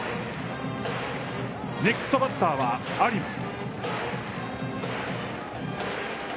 ネクストバッターは有馬。